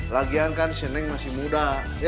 lagian kan seneng masih muda